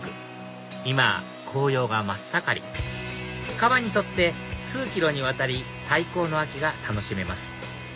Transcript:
今紅葉が真っ盛り川に沿って数ｋｍにわたり最高の秋が楽しめます